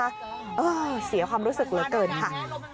เออเสียความรู้สึกเหลือเกินค่ะ